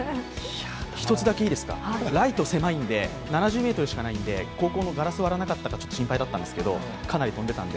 一つだけいいですかライト狭いんで７０ｍしかないので高校のガラス割らなかったか心配だったんですけどかなり飛んでたんで。